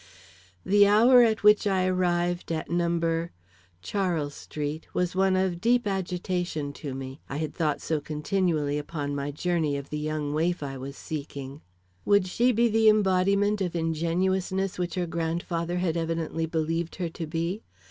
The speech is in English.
The hour at which I arrived at number Charles Street, was one of deep agitation to me, I had thought so continually upon my journey of the young waif I was seeking. Would she be the embodiment of ingenuousness which her grandfather had evidently believed her to be?